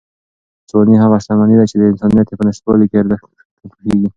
ځواني هغه شتمني ده چې انسان یې په نشتوالي کې په ارزښت پوهېږي.